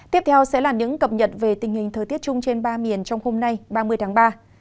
tiếp theo sẽ là những cập nhật về tình hình thời tiết chung trên ba miền trong hôm nay ba mươi tháng ba